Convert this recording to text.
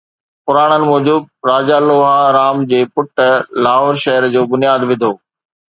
پراڻن موجب، راجا لوها، رام جي پٽ، لاهور شهر جو بنياد وڌو